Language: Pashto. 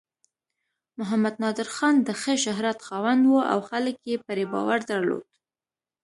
محمد نادر خان د ښه شهرت خاوند و او خلک یې پرې باور درلود.